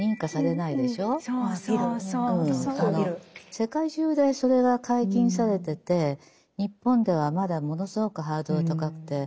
世界中でそれが解禁されてて日本ではまだものすごくハードル高くて。